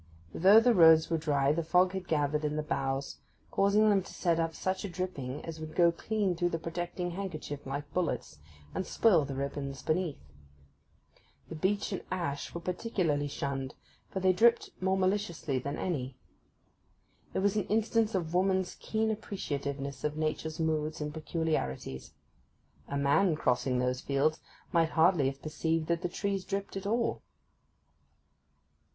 But though the roads were dry the fog had gathered in the boughs, causing them to set up such a dripping as would go clean through the protecting handkerchief like bullets, and spoil the ribbons beneath. The beech and ash were particularly shunned, for they dripped more maliciously than any. It was an instance of woman's keen appreciativeness of nature's moods and peculiarities: a man crossing those fields might hardly have perceived that the trees dripped at all.